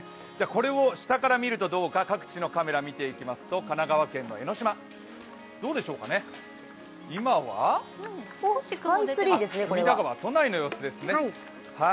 これを下から見るとどうか、各地のカメラを見てみると神奈川県の江の島、どうでしょうか隅田川、都内の様子ですね。